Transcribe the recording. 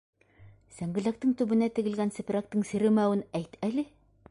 Сәңгелдәктең төбөнә тегелгән сепрәктең серемәүен әйт әле!